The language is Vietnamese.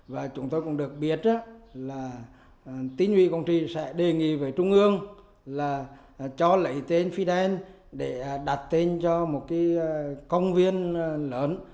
và chúng tôi cũng được biết là tinh ủy quảng trị sẽ đề nghị với trung ương là cho lấy tên fidel để đặt tên cho một công viên lớn